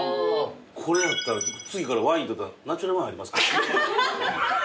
これやったら次からワインっていったらナチュラルワインありますか？